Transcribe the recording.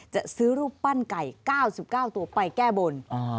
จะซื้อรูปปั้นไก่๙๙ตัวไปแก้บน